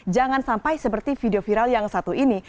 jangan sampai seperti video viral yang satu ini